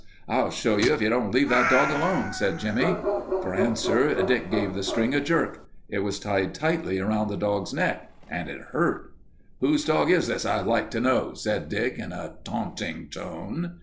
"I'll show you, if you don't leave that dog alone," said Jimmie. For answer, Dick gave the string a jerk. It was tied tightly around the dog's neck, and it hurt. "Whose dog is this, I'd like to know," said Dick in a taunting tone.